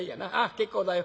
結構だよ」。